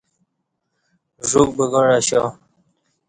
ژوک بگاع اشیا